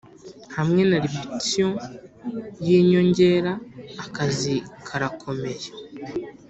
hamwe na repetition yinyongera, akazi karakomeye.